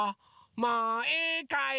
もういいかい？